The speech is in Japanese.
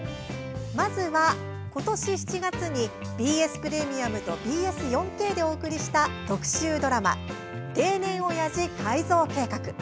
まずは、今年７月にＢＳプレミアムとＢＳ４Ｋでお送りした特集ドラマ「定年オヤジ改造計画」。